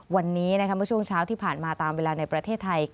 วันนี้เมื่อช่วงเช้าที่ผ่านมาตามเวลาในประเทศไทย